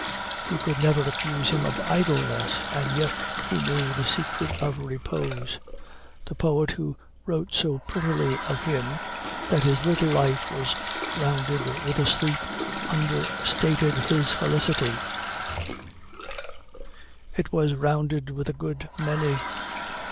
You could never accuse him of idleness, and yet he knew the secret of repose. The poet who wrote so prettily of him that his little life was rounded with a sleep, understated his felicity; it was rounded with a good many.